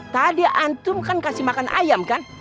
tadi antum kan kasih makan ayam kan